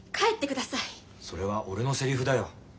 それは俺のセリフだよ。